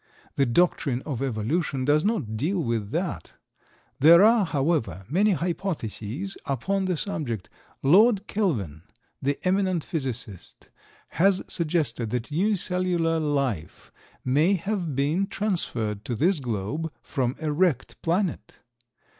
The doctrine of Evolution does not deal with that. There are, however, many hypotheses upon the subject. Lord Kelvin, the eminent physicist, has suggested that unicellular life may have been transferred to this globe from a wrecked planet.